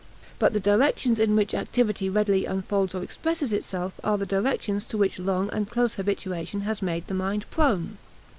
But the directions in which activity readily unfolds or expresses itself are the directions to which long and close habituation has made the mind prone.